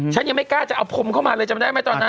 ฉันยังไม่กล้าจะเอาพรมเข้ามาเลยจำได้ไหมตอนนั้น